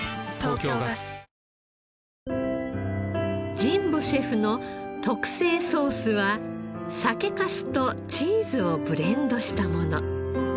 神保シェフの特製ソースは酒粕とチーズをブレンドしたもの。